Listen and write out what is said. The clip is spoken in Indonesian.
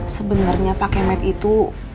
sebenernya pak kemet itu